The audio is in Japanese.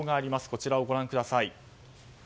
こちらをご覧ください。